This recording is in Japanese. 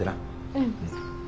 うん。